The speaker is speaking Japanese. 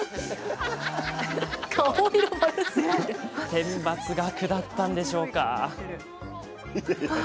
天罰が下ったんでしょうか。